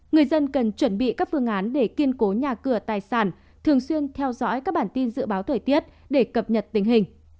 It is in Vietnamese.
người dân cần chuẩn bị các phương án để kiên cố nhà cửa tài sản thường xuyên theo dõi các bản tin dự báo thời tiết để cập nhật tình hình